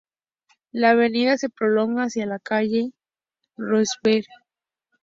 La avenida se prolonga hacia la calle Roosevelt.